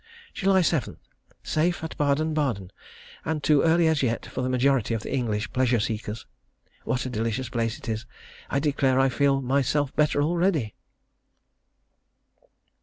July 7. Safe at Baden Baden; and too early as yet for the majority of the English pleasure seekers. What a delicious place it is; I declare I quite feel myself better already....